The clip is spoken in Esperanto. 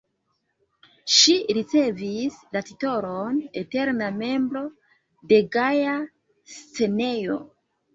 Ŝi ricevis la titolon "eterna membro" de Gaja Scenejo.